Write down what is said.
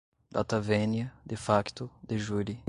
data venia, de facto, de jure